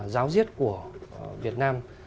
giáo diết của việt nam